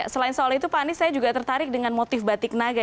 selain soal itu pak anies saya juga tertarik dengan motif batik naga